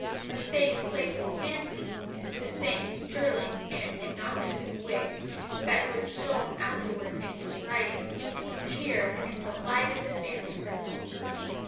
The same playful fancy, the same sterling and innoxious wit that was shown afterwards in his writings, cheered and delighted the family circle."